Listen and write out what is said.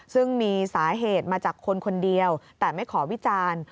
ซึ่งมีสาเหตุมาจากคนคนเดียวแต่ไม่ขอวิจารณ์